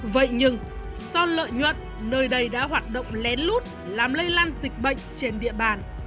vậy nhưng do lợi nhuận nơi đây đã hoạt động lén lút làm lây lan dịch bệnh trên địa bàn